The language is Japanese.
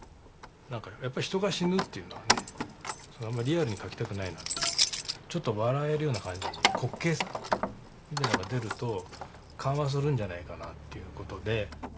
やっぱり人が死ぬというのはねあんまりリアルに描きたくないなっていうかちょっと笑えるような感じに滑稽さみたいなのが出ると緩和するんじゃないかなっていうことで。